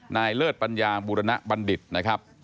เลิศปัญญาบุรณบัณฑิตนะครับ